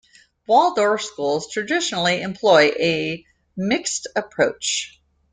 Waldorf schools traditionally employ a mixed approach.